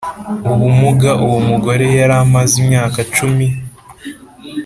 Ubumuga uwo mugore yari amaze imyaka cumi